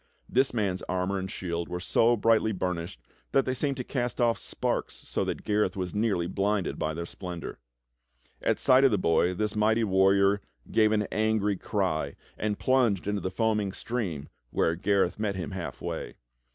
This man's armor and shield were so brightly burnished that they seemed to cast off sparks so that Gareth was nearly blinded by their splendor. At sight of the boy this mighty GARETH THE KITCHEN KNAVE 47 warrior gave an angry cry and plunged into the foaming stream, where Gareth met him half way.